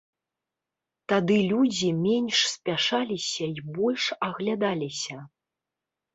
Тады людзі менш спяшаліся і больш аглядаліся.